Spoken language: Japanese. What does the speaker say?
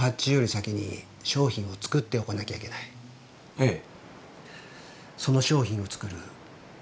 ええ。